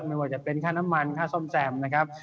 ไม่ว่าจะเป็นค่าน้ำมันค่าซ่อมแซมนะครับ